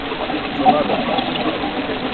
Tuɣaleḍ-d.